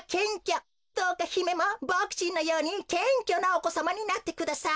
どうかひめもボクちんのようにけんきょなおこさまになってください。